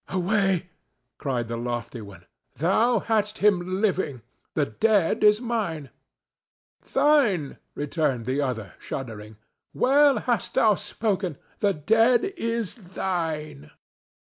"Away!" cried the lofty one. "Thou hadst him living; the dead is mine." "Thine!" returned the other, shuddering. "Well hast thou spoken; the dead is thine."